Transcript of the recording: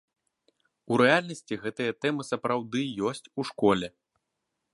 У рэальнасці гэтыя тэмы сапраўды ёсць у школе.